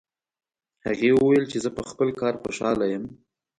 هغې وویل چې زه په خپل کار خوشحاله یم